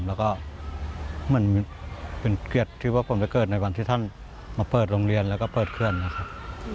แล้วก็เหมือนเป็นเกลียดที่ว่าผมไปเกิดในวันที่ท่านมาเปิดโรงเรียนแล้วก็เปิดเคลื่อนนะครับ